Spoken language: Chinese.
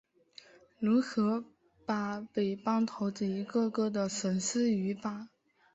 如何把匪帮头子一个个地绳之于法？